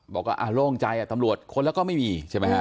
บอกว่าโล่งใจตำรวจค้นแล้วก็ไม่มี